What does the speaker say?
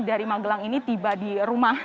dari magelang ini tiba di rumah